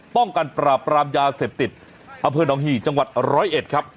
ป้องกันปราบปรามยาเสพติดอำเภอหนองหี่จังหวัดร้อยเอ็ดครับ